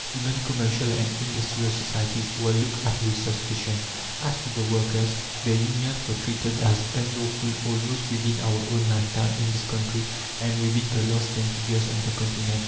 Even commercial and industrial societies were looked at with suspicion. As to the workers, their unions were treated as unlawful almost within our own lifetime in this country and within the last twenty years on the Continent.